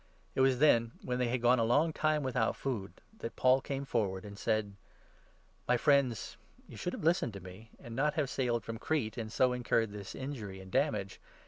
It was then, when they had gone a long time 21 without food, that Paul came forward, and said :" My friends, you should have listened to me, and not have sailed from Crete and so incurred this injury and damage.